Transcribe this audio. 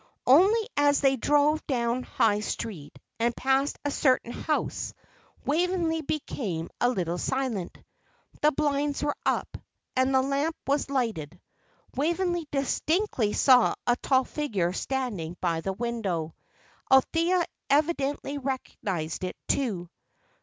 Only, as they drove down High Street, and passed a certain house, Waveney became a little silent. The blinds were up, and the lamp was lighted. Waveney distinctly saw a tall figure standing by the window. Althea evidently recognized it, too.